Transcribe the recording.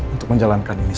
untuk menjalankan misi